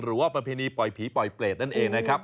หรือว่าประเพณีปลอยผีปลอยเปรตนั่นเองนะครับ